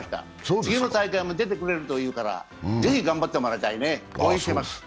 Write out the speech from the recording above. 次の大会も出てくれるというからぜひ頑張ってもらいたいね、応援しています。